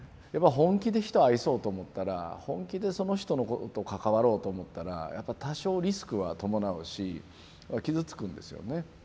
本気で人を愛そうと思ったら本気でその人と関わろうと思ったらやっぱり多少リスクは伴うし傷つくんですよね。